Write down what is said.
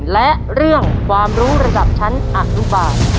และเรื่องความรู้ระดับชั้นอนุบาล